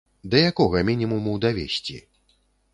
Да якога мінімуму давесці?